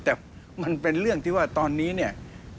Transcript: แต่มันเป็นเรื่องที่ว่าตอนนี้เนี่ย